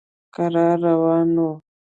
کرار روان و.